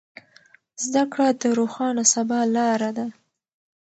زده کړه د روښانه سبا لاره ده.